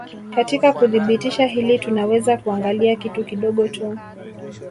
Katika kuthibitisha hili tunaweza kuangalia kitu kidogo tu